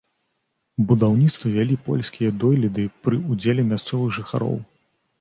Будаўніцтва вялі польскія дойліды пры ўдзеле мясцовых жыхароў.